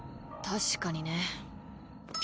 確かにね。